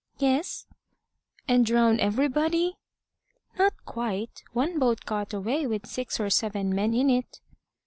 "Yes." "And drown everybody?" "Not quite. One boat got away with six or seven men in it."